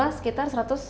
jumlah sekitar seratus